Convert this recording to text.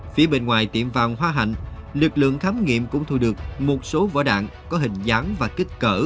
phía bên ngoài tiệm vàng hoa hạnh lực lượng khám nghiệm cũng thu được một số vỏ đạn có hình dáng và kích cỡ